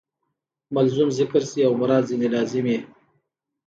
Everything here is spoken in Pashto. ملزوم ذکر سي او مراد ځني لازم يي.